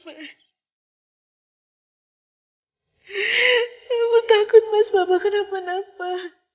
ibu takut mas bapak kenapa napa